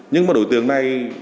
nhưng mà đội tưởng này